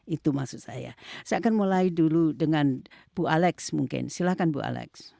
itu maksud saya saya akan mulai dulu dengan bu alex mungkin silahkan bu alex